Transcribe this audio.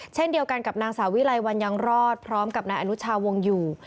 เช่นเดียวกันกับนางสาวิไลวันยังรอดพร้อมกับนายอนุชาวงอยู่